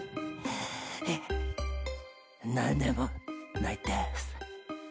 いえ何でもないでぇす。